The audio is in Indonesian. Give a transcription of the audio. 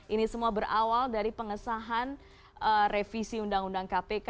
ini semua berawal dari pengesahan revisi undang undang kpk